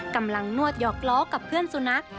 นวดหยอกล้อกับเพื่อนสุนัข